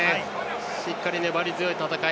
しっかり粘り強い戦い